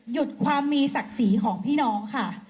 หยุดความมีศักดิ์ศรีของพี่น้องค่ะ